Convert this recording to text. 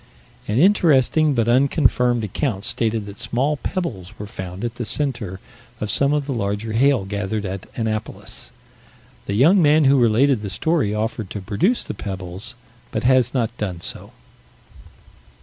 "An interesting, but unconfirmed, account stated that small pebbles were found at the center of some of the larger hail gathered at Annapolis. The young man who related the story offered to produce the pebbles, but has not done so."